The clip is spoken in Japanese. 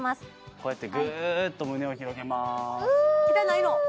こうやってぐっと胸を広げます痛ないの？